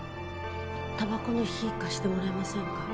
たばこの火貸してもらえませんか？